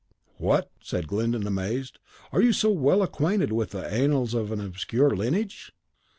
"What!" said Glyndon, amazed, "are you so well acquainted with the annals of an obscure lineage?"